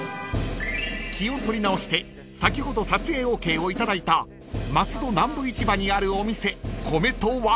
［気を取り直して先ほど撮影ＯＫを頂いた松戸南部市場にあるお店米と和牛へ］